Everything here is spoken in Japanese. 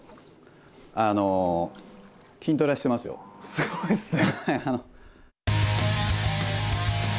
すごいっすね。